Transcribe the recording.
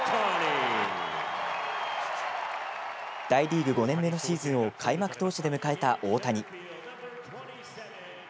大リーグ５年目のシーズンを開幕投手で迎えた大谷。